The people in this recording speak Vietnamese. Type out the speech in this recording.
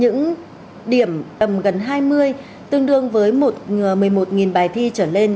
những điểm tầm gần hai mươi tương đương với một mươi một bài thi trở lên